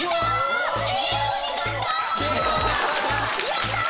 やったー！